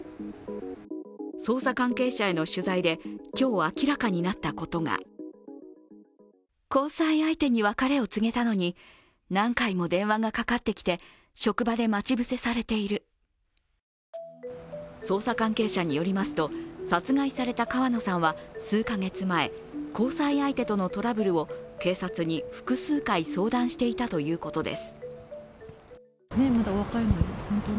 捜査関係者への取材で今日、明らかになったことが捜査関係者によりますと殺害された川野さんは数カ月前、交際相手とのトラブルを警察に複数回、相談していたということです。